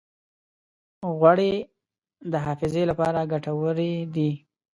غوړې د حافظې لپاره ګټورې دي.